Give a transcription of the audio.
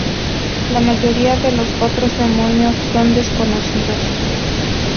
La mayoría de los otros demonios son desconocidos.